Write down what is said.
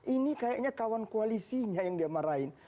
ini kayaknya kawan koalisinya yang dia marahin